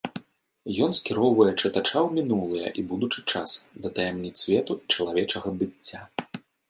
Ён скіроўвае чытача ў мінулае і будучы час, да таямніц свету і чалавечага быцця.